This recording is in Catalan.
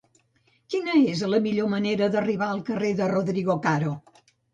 Quina és la millor manera d'arribar al carrer de Rodrigo Caro?